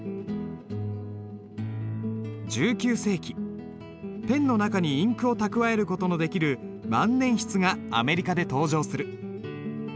１９世紀ペンの中にインクを蓄える事のできる万年筆がアメリカで登場する。